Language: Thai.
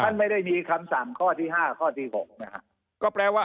มันไม่ได้มีคำสั่งข้อที่ห้าข้อที่หกนะฮะ